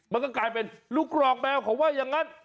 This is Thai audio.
มันก็กลายเป็นลูกกรอกแมวเขาว่าอย่างนั้น